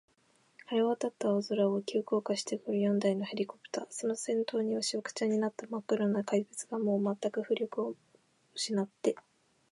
晴れわたった青空を、急降下してくる四台のヘリコプター、その先頭には、しわくちゃになったまっ黒な怪物が、もうまったく浮力をうしなって、